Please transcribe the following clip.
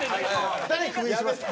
誰クビにしますか？